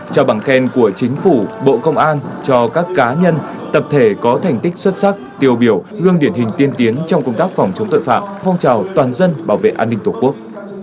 trao bằng khen của chính phủ bộ công an cho các cá nhân tập thể có thành tích xuất sắc tiêu biểu gương điển hình tiên tiến trong công tác phòng chống tội phạm phong trào toàn dân bảo vệ an ninh tổ quốc